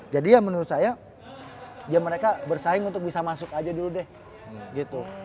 jadi ya menurut saya ya mereka bersaing untuk bisa masuk aja dulu deh gitu